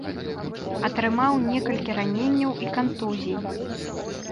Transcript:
Атрымаў некалькі раненняў і кантузій.